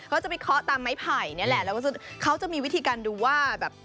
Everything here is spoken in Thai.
เขาจะไปข้อตามไม้ไผ่แล้วก็เขาจะมีวิธีการดูว่า